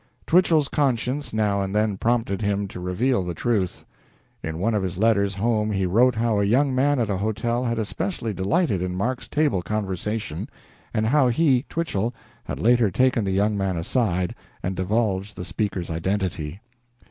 Twichell's conscience now and then prompted him to reveal the truth. In one of his letters home he wrote how a young man at a hotel had especially delighted in Mark's table conversation, and how he (Twichell) had later taken the young man aside and divulged the speaker's identity.